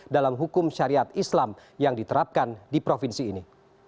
dalam hukum syariat islam yang diterapkan di provinsi ini